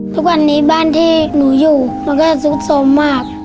ทุกวันนี้บ้านที่หนูอยู่มันก็ซุกสมมาก